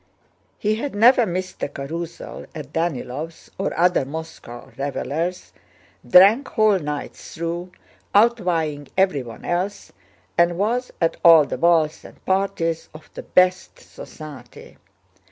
He had never missed a carousal at Danílov's or other Moscow revelers', drank whole nights through, outvying everyone else, and was at all the balls and parties of the best society.